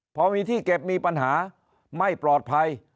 พอมีที่เก็บมีปัญหาไม่ปลอดภัย